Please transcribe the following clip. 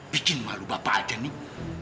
bikin malu bapak aja nih